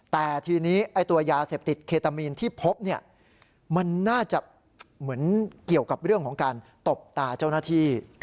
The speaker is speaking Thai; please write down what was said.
แต่ทีนี้ไอ้ตัวยาเสพติดเคตามีนที่พบเนี่ยมันน่าจะเหมือนเกี่ยวกับเรื่องของการตบตาเจ้าหน้าที่